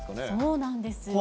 そうなんです。